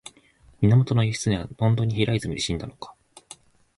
源義経は本当に平泉で死んだのか